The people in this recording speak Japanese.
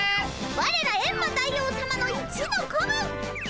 ワレらエンマ大王さまの一の子分！